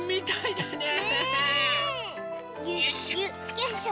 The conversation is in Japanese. よいしょ！